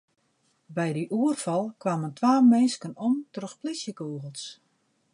By dy oerfal kamen twa minsken om troch plysjekûgels.